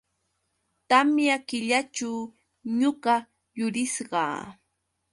Tamya killaćhu ñuqa yurisqa.